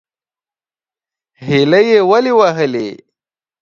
_هيلۍ يې ولې وهلې؟